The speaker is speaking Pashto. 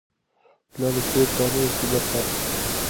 پلار د کور کارونو کې برخه اخلي.